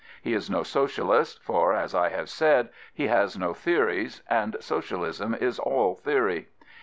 He is no Socialist, for, as I have said, he has no theories, and Socialism is all theory.